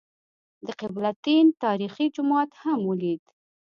د قبله تین تاریخي جومات هم ولېد.